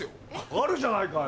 あるじゃないかよ。